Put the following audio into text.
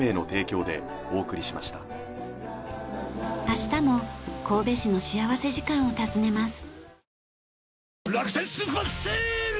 明日も神戸市の幸福時間を訪ねます。